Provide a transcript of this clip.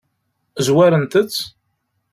Zwarent-t?